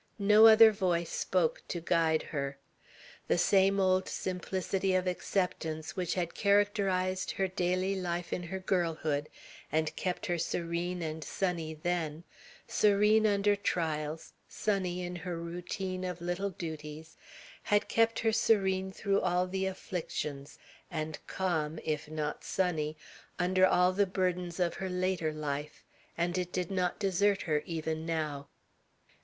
No other voice spoke to guide her. The same old simplicity of acceptance which had characterized her daily life in her girlhood, and kept her serene and sunny then, serene under trials, sunny in her routine of little duties, had kept her serene through all the afflictions, and calm, if not sunny, under all the burdens of her later life; and it did not desert her even now.